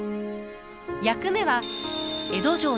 役目は江戸城の警護。